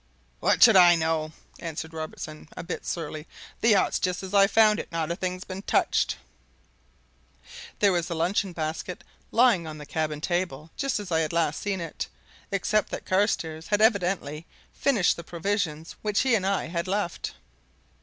"What should I know?" answered Robertson, a bit surlily. "The yacht's just as I found it not a thing's been touched." There was the luncheon basket lying on the cabin table just as I had last seen it, except that Carstairs had evidently finished the provisions which he and I had left.